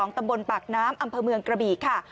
ตำบลปากน้ำอำเภอเมืองกระบี่ค่ะ